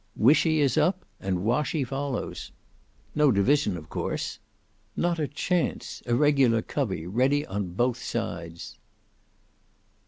"WISHY is up, and WASHY follows." "No division, of course?" "Not a chance; a regular covey ready on both sides."